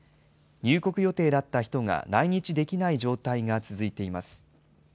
入国予定だった人が来日できない状態が続いています。